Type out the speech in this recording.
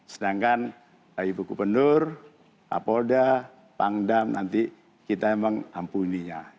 sedangkan dari bukupenur kapolda pangdam nanti kita memang ampuninya